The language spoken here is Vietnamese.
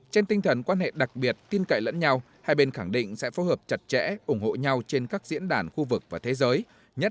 trên tinh thần quan hệ đặc biệt tin cậy lẫn nhau hai bên khẳng định sẽ phối hợp chặt chẽ